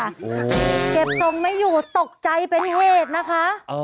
เก็บทรงไม่อยู่ตกใจเป็นเหตุนะคะ